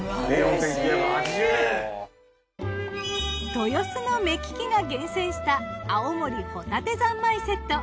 豊洲の目利きが厳選した青森ホタテ三昧セット。